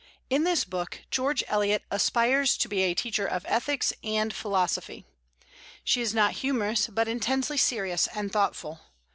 In this book George Eliot aspires to be a teacher of ethics and philosophy. She is not humorous, but intensely serious and thoughtful.